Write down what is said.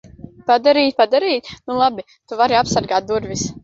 Padarīt? Padarīt? Nu labi. Tu vari apsargāt durvis.